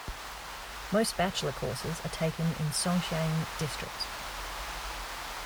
Most bachelor courses are taken in Songjiang district.